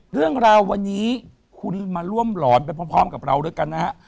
เรื่องราววันนี้คุณมาร่วมหลอนไปพร้อมกับเราด้วยกันนะฮะ